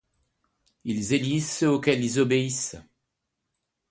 Ils élisent ceux auxquels ils obéissent.